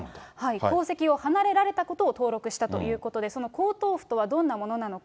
皇籍を離れられたことを登録したということで、その皇統譜とはどんなものなのか。